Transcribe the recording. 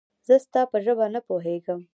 زه ستا په ژبه نه پوهېږم